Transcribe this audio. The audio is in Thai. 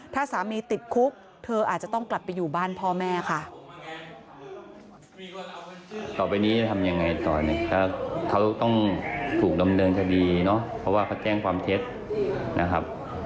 ถ้าสามีติดคุกเธออาจจะต้องกลับไปอยู่บ้านพ่อแม่ค่ะ